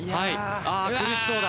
あー苦しそうだ。